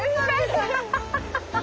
ハハハハハ！